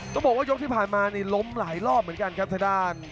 ต้องบอกว่ายกที่ผ่านมานี่ล้มหลายรอบเหมือนกันครับทางด้าน